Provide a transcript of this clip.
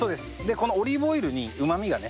このオリーブオイルにうまみがね。